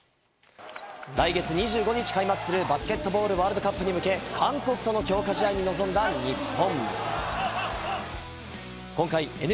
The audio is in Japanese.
来月２５日開幕するバスケットボールワールドカップに向け、韓国との強化試合に臨んだ日本。